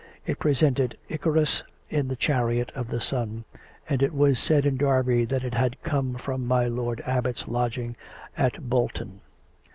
(It presented Icarus in the chariot of the sun; and it was said in Derby that it had come from my lord Abbot's lodging at Bol ton.)